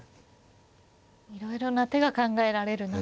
いろいろな手が考えられる中で。